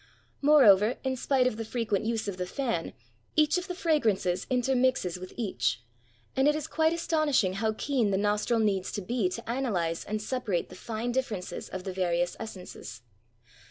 Moreover, in spite of the frequent use of the fan, each of the fragrances intermixes with each, and it is quite astonishing how keen the nostril needs to be to analyze and separate the fine differences of the various essences.